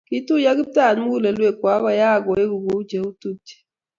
Kiituyio kiptayat mugulelwek kwok akuyeak oleku kou che otupche